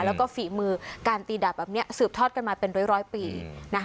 แล้วก็ฝีมือการตีดับแบบนี้สืบทอดกันมาเป็นร้อยปี